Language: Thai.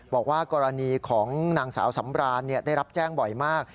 บอกว่ากรณีของนางสาวสำรานได้รับแจ้งบ่อยมาก